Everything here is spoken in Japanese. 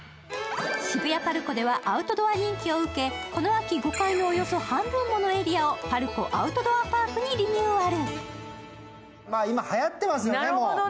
渋谷ＰＡＲＣＯではアウトドア人気を受け、この秋、５階の半分ものエリアをＰＡＲＣＯＯＵＴＤＯＯＲＰＡＲＫにリニューアル。